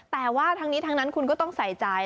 แต่ว่าทั้งนี้ทั้งนั้นคุณก็ต้องใส่ใจ